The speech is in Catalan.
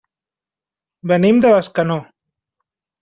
Venim de Bescanó.